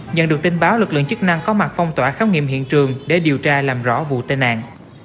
nhận được tin báo lực lượng chức năng có mặt phong tỏa khám nghiệm hiện trường để điều tra làm rõ vụ tai nạn